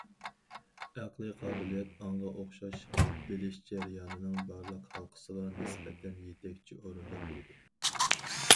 ئەقلىي قابىلىيەت ئاڭغا ئوخشاش بىلىش جەريانىنىڭ بارلىق ھالقىسىغا نىسبەتەن يېتەكچى ئورۇندا تۇرىدۇ.